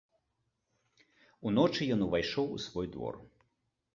Уночы ён увайшоў у свой двор.